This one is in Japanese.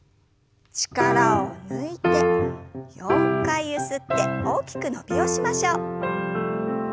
力を抜いて４回ゆすって大きく伸びをしましょう。